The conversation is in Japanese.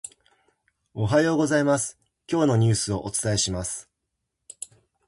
おはようございます、今日のニュースをお伝えします。